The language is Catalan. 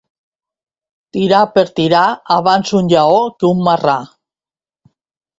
Tirà per tirà, abans un lleó que un marrà.